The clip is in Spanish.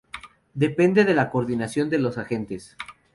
Depende de la coordinación de los agentes.